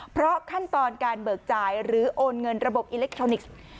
เพราะขั้นตอนการเบิกจ่ายหรือโอนเงินระบบอิเล็กทรอนิกส์